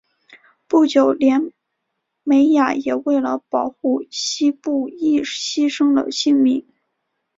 不久连美雅也为了保护希布亦牺牲了性命。